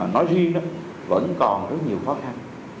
nói riêng đó vẫn còn rất nhiều khó khăn